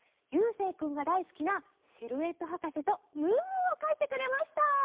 ゆうせいくんがだいすきなシルエットはかせとムームーをかいてくれました。